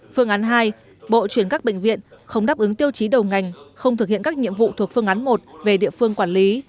phương án hai bộ chuyển các bệnh viện không đáp ứng tiêu chí đầu ngành không thực hiện các nhiệm vụ thuộc phương án một về địa phương quản lý